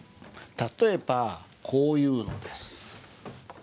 例えばこういうのです。